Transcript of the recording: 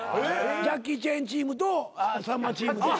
ジャッキー・チェンチームとさんまチーム。